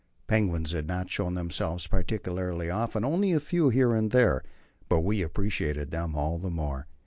Penguins had not shown themselves particularly often, only a few here and there; but we appreciated them all the more.